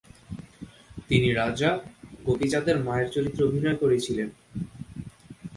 তিনি রাজা গোপীচাঁদের মায়ের চরিত্রে অভিনয় করেছিলেন।